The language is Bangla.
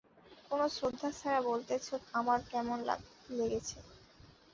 কোনো শ্রদ্ধা ছাড়া বলতেছ আমার কেমন লেগেছে।